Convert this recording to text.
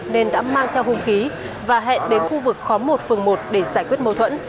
nên đã mang theo hung khí và hẹn đến khu vực khóm một phường một để giải quyết mâu thuẫn